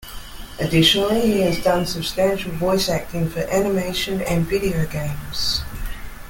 Additionally, he has done substantial voice acting for animation and video games.